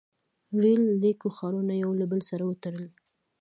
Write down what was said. • ریل لیکو ښارونه یو له بل سره وتړل.